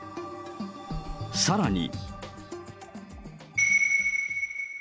さらに。